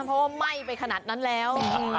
เพราะว่าไหม้ไปขนาดนั้นแล้ว